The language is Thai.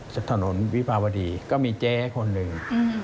ถนนวิภาวดีก็มีเจ๊คนหนึ่ง